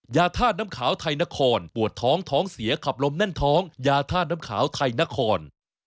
ยาธาตุน้ำขาวไทยนครปวดท้องท้องเสียขับลมแน่นท้องยาธาตุน้ำขาวไทยนคร